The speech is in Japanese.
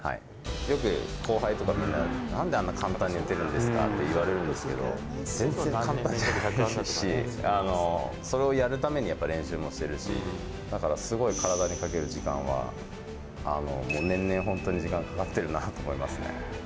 よく後輩とかに、なんであんな簡単に打てるんですかって言われるんですけど、全然簡単じゃないし、それをやるために、やっぱり練習もしてるし、だから、すごい体にかける時間は、もう年々、本当に時間かかってるなぁと思いますね。